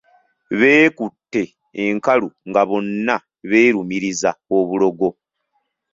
Beekutte enkalu nga bonna beerumiriza obulogo.